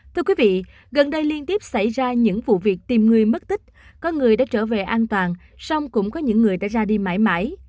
thưa quý vị gần đây liên tiếp xảy ra những vụ việc tìm người mất tích có người đã trở về an toàn xong cũng có những người đã ra đi mãi mãi